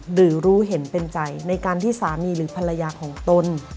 หรือรู้เห็นเป็นใจในการที่สามีหรือภรรยาของตน